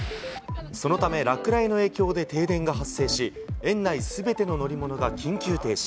そのため、落雷の影響で停電が発生し、園内全ての乗り物が緊急停止。